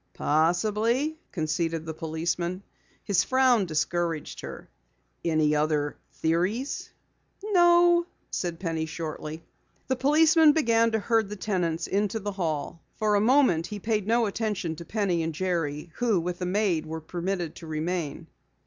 "Possibly," conceded the policeman. His frown discouraged her. "Any other theories?" "No," said Penny shortly. The policeman began to herd the tenants into the hall. For a moment he paid no attention to Penny and Jerry, who with the maid were permitted to remain.